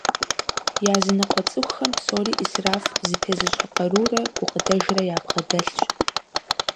Языныкъуэ цӏыхухэм псори исраф зытезыщӏэ къарурэ гукъыдэжрэ ябгъэдэлъщ.